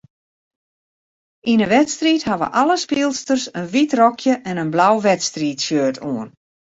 Yn 'e wedstriid hawwe alle spylsters in wyt rokje en in blau wedstriidshirt oan.